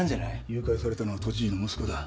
誘拐されたのは都知事の息子だ。